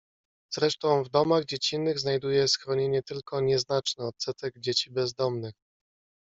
"Zresztą w domach dziecinnych znajduje schronienie tylko nieznaczny odsetek dzieci bezdomnych."